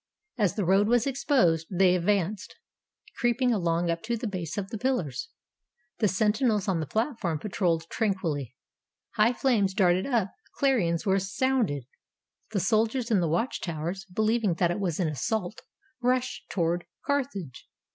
As the road was exposed, they advanced, creeping along up to the base of the pillars. The sentinels on the platform patrolled tranquilly. High flames darted up; clarions were sounded. The soldiers in the watch towers, believing that it was an assault, rushed towards Carthage.